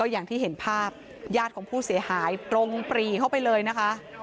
อย่างที่เห็นภาพญาติของผู้เสียหายตรงปรีเข้าไปเลยนะคะ